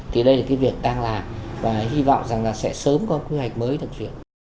thì đây là việc đang làm và hy vọng rằng sẽ sớm có quy hoạch mới được diễn